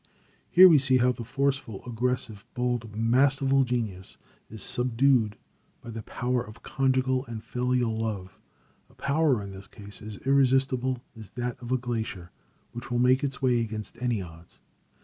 Here we see how the forceful, aggressive, bold, masterful genius, is subdued by the power of conjugal and filial love, a power in this case as irresistible as that of a glacier, which will make its way against any odds.